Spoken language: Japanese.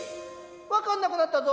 分かんなくなったぞ。